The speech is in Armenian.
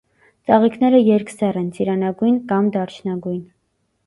Ծաղիկները երկսեռ են, ծիրանագույն կամ դարչնագույն։